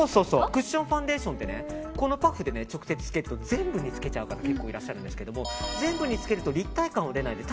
クッションファンデーションはこのパフで直接つけると全部につけちゃう方結構いらっしゃるんですけど全部につけると立体感は出ないです。